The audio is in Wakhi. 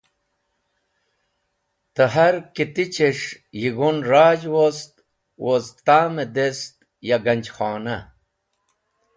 Dẽ har kitiches̃h yig̃hun razh wost woz ta’m-dest ya ganjkhonah.